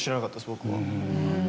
僕は。